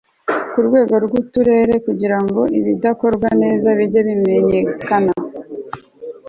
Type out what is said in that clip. ku rwego rw Uturere kugira ngo ibidakorwa neza bijye bimenyekana